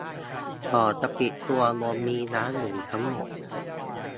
ก่อนจะปิดตัวลงมีร้านอยู่ทั้งหมด